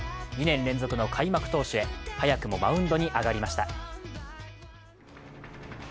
２年連続の開幕投手へ、早くもマウンドに上がりました。